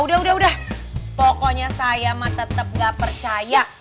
udah udah pokoknya saya mah tetep gak percaya